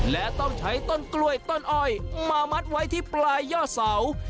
และต้องใช้ต้นกล้วยต้นอ้อยมามัดไว้ที่ปลายยอดเสา